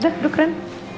udah duduk ren